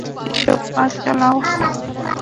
এসো, পা চালাও।